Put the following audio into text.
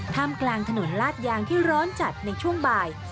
กลางถนนลาดยางที่ร้อนจัดในช่วงบ่าย